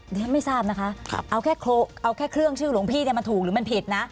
ฉันไม่ทราบนะคะเอาแค่เอาแค่เครื่องชื่อหลวงพี่เนี่ยมันถูกหรือมันผิดนะ